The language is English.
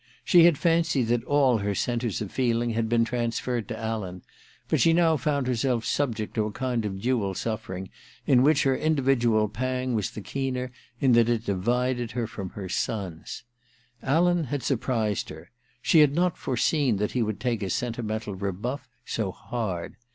She had fancied that all her centres of feeling had been transferred to Alan ; but she now found herself subject to a kind of dual suffering, in which her individual pang was the keener in that it divided 398 Ill THE QUICKSAND 299 her from her son*s. Alan had surprised her : she had not foreseen that he would take a senti mental rebuff so hard.